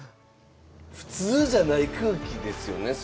普通じゃない空気ですよね。